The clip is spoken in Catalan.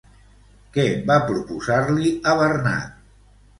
Què va proposar-li a Bernad?